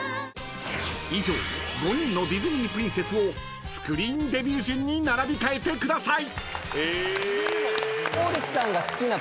［以上５人のディズニープリンセスをスクリーンデビュー順に並び替えてください］